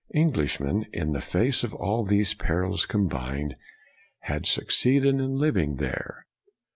Englishmen, in the face of all these perils combined, had succeeded in living there.